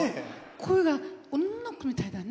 声が女の子みたいだね。